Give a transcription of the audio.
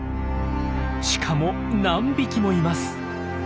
しかも何匹もいます！